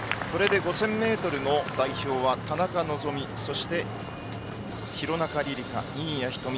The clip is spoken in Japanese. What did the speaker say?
５０００ｍの代表は田中希実廣中璃梨佳、新谷仁美